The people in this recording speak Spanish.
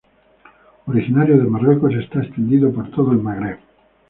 Originario de Marruecos, está extendido por todo el Magreb.